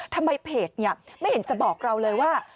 ทำไมเพจไม่เห็นจะบอกเราเลยว่า